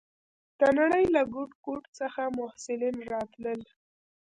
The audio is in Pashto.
د نړۍ له ګوټ ګوټ څخه محصلین راتلل.